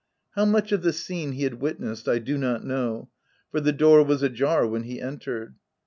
How much of the scene he had witnessed I do not know, for the door was ajar when he entered.